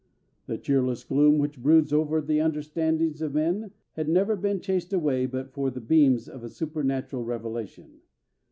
The cheerless gloom which broods over the understandings of men had never been chased away but for the beams of a supernatural revelation.